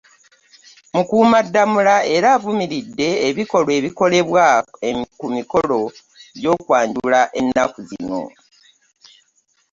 Mukuumaddamula era avumiridde ebikolwa ebikolebwa ku mikolo gy'okwanjula ennaku zino